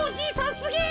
すげえ！